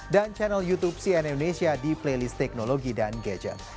dan channel youtube cnn indonesia di playlist teknologi dan gadget